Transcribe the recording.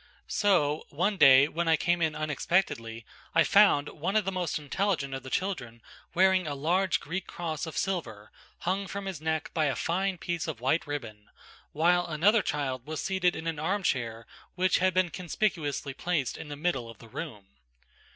So, one day when I came in unexpectedly, I found one of the most intelligent of the children wearing a large Greek cross of silver, hung from his neck by a fine piece of white ribbon, while another child was seated in an armchair which had been conspicuously placed in the middle of the room.